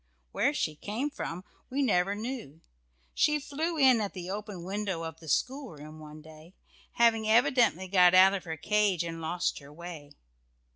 Where she came from we never knew she flew in at the open window of the schoolroom one day, having evidently got out of her cage and lost her way.